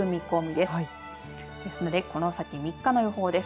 ですのでこの先３日の予報です。